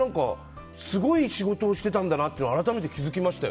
すごい仕事をしていたんだなと改めて気づきました。